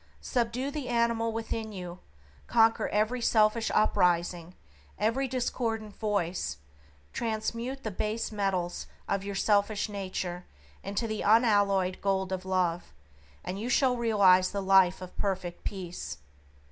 Subdue the animal within you; conquer every selfish uprising, every discordant voice; transmute the base metals of your selfish nature into the unalloyed gold of Love, and you shall realize the Life of Perfect Peace.